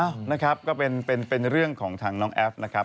นะครับก็เป็นเรื่องของทางน้องแอฟนะครับ